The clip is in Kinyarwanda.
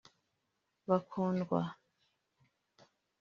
bakundwa